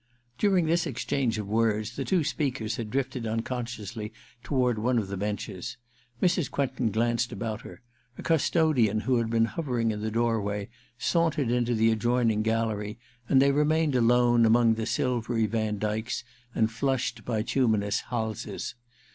During this exchange of words the two speakers had drifted unconsciously toward one of the benches. Mrs. Quentin glanced about her : a custodian who had been hovering in the doorway saimtered into the adjoining gallery, and they remained alone among the silvery Vandykes and flushed bituminous Halses.